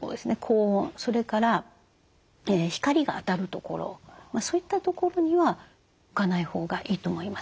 それから光が当たる所そういった所には置かないほうがいいと思います。